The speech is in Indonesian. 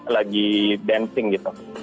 lagi dancing gitu